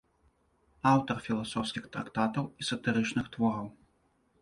Аўтар філасофскіх трактатаў і сатырычных твораў.